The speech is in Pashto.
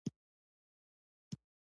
ما ورته په خواشینۍ سره وویل: ډېر خواشینی شوم.